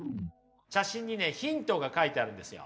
写真にねヒントが書いてあるんですよ。